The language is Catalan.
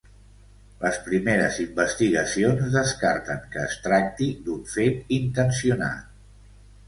Les primeres investigacions descarten que es tracti d'un fet intencionat.